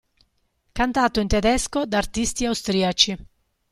Cantato in tedesco da artisti austriaci.